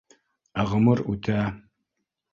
Ә ғүмер үтә